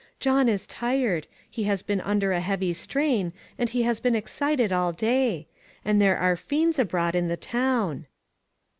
"John is tired; he has been under a heavy strain, arid he has been excited all day; and there are fiends abroad in the town."